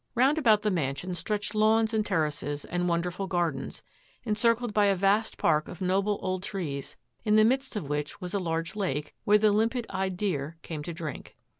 Round about the mansion stretched lawns and terraces and wonderful gardens, encircled by a vast park of noble old trees, in the midst of which was a large lake, where the limpid eyed deer came to drink.